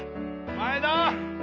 前田！